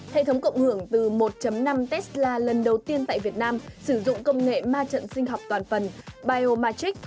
hệ thống cộng hưởng từ một năm tesla lần đầu tiên tại việt nam sử dụng công nghệ ma trận sinh học toàn phần bio matrix